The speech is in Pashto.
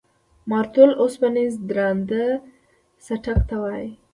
مارتول اوسپنیز درانده څټک ته وایي.